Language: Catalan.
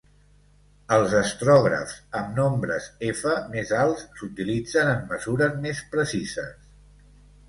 Els astrògrafs amb nombres f més alts s'utilitzen en mesures més precises.